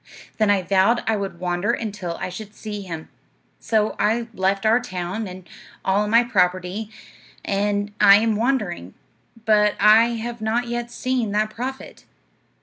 Then I vowed I would wander until I should see him. So I left our town, and all my property, and I am wandering, but I have not yet seen that prophet.'